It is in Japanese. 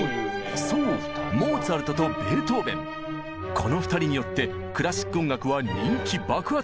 この２人によってクラシック音楽は人気爆発！